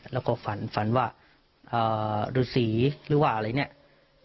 เราก็ฝันฝันว่ารูดสีหรือว่าอะไรเนี่ย